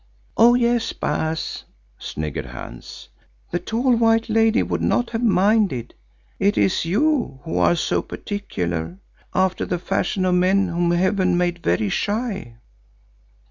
"Oh yes, Baas," sniggered Hans. "The tall white lady would not have minded. It is you who are so particular, after the fashion of men whom Heaven made very shy."